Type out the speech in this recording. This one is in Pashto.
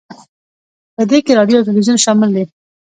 په دې کې راډیو او تلویزیون شامل دي